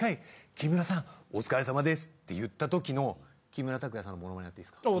「木村さんお疲れ様です」って言った時の木村拓哉さんのモノマネやっていいですか？